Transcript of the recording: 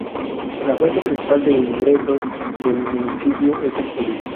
La fuente principal de ingresos del municipio es el turismo.